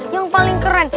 yang paling keren